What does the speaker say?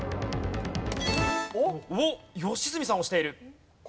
おっ良純さん押している。